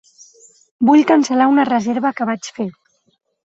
Vull cancel·lar una reserva que vaig fer.